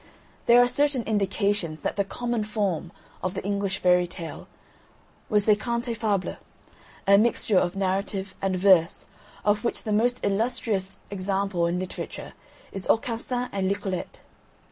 There are certain indications that the "common form" of the English Fairy Tale was the cante fable, a mixture of narrative and verse of which the most illustrious example in literature is "Aucassin et Nicolette."